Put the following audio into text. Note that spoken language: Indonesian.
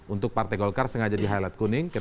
untuk partai golkar sengaja di highlight kuning